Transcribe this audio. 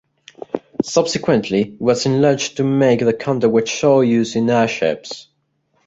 Subsequently, it was enlarged to make the Condor which saw use in airships.